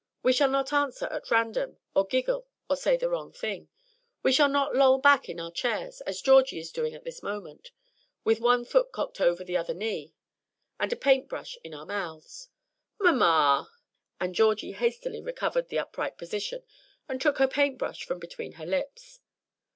We shall not answer at random, or giggle, or say the wrong thing. We shall not loll back in our chairs, as Georgie is doing at this moment, with one foot cocked over the other knee, and a paint brush in our mouths." "Mamma!" And Georgie hastily recovered the upright position, and took her paint brush from between her lips.